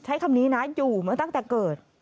ใช้คำนี้นะอยู่มาตั้งแต่เกิด